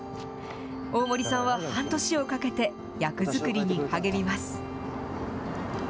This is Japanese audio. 大森さんは半年をかけて役作りに励みます。